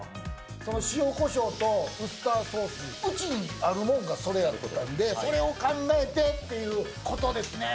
その塩こしょうとウスターソース、うちにあるもんがそれやったんで、それを考えてっていうことですね。